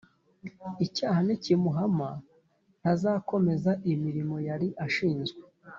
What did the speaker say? Icyaha nikimuhama ntazakomeza imirimo yari ashinzwe